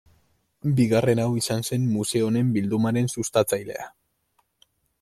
Bigarren hau izan zen museo honen bildumaren sustatzailea.